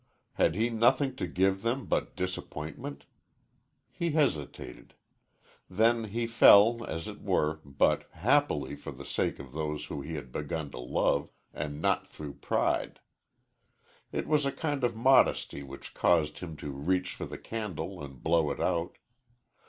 Had he nothing to give them but disappointment? He hesitated. Then he fell, as it were, but, happily, for the sake of those two he had begun to love, and not through pride. It was a kind of modesty which caused him to reach for the candle and blow it out.